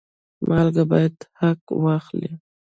مالک باید حق واخلي.